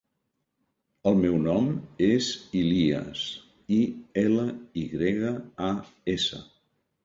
El meu nom és Ilyas: i, ela, i grega, a, essa.